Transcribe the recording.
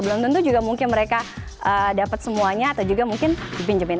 belum tentu juga mungkin mereka dapat semuanya atau juga mungkin dipinjemin